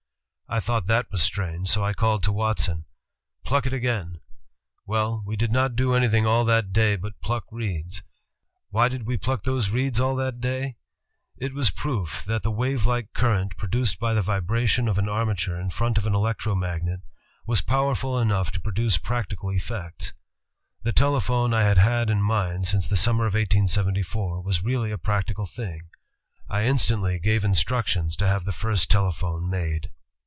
I thought that was strange, so I called to Watson, 'Pluck it again. '... Well, we did not do anything all that day but pluck reeds. ... Why did we pluck those reeds all that day? It was proof that the wave like current pro duced by the vibration of an armature in front of an electromagnet was powerful enough to produce practical ALEXANDER GRAHAM BELL 241 effects. The telephone I had had in mind since the sum mer of 1874 was really a practical thing. I instantly gave instructions to have the first telephone made."